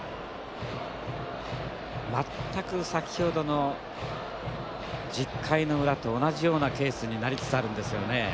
全く先ほどの１０回の裏と同じようなケースになりつつあるんですよね。